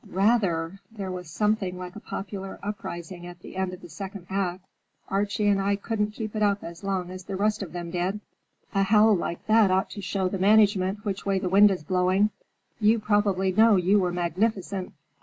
"Rather! There was something like a popular uprising at the end of the second act. Archie and I couldn't keep it up as long as the rest of them did. A howl like that ought to show the management which way the wind is blowing. You probably know you were magnificent."